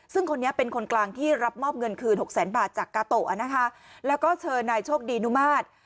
ซึ่งคนนี้เป็นคนกลางที่รับมอบเงินคืนหกแสนบาทจากกาโตะนะคะแล้วก็เชิญนายโชคดีนุมาตร